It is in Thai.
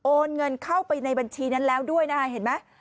เงินเข้าไปในบัญชีนั้นแล้วด้วยนะคะเห็นไหม